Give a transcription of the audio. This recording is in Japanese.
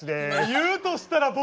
言うとしたら僕！